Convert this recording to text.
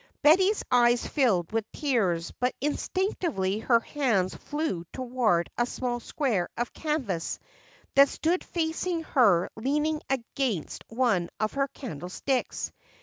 Betty's eyes filled with tears, but instinctively her hands flew toward a small square of canvas that stood facing her leaning against one of her candlesticks.